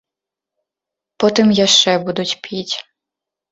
Потым яшчэ будуць піць.